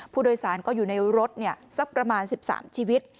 ผู้โดยสารก็อยู่ในรถเป็นเพิ่ง๑๓ชีวิต